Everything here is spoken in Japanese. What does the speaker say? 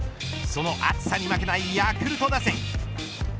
その暑さに負けないヤクルト打線。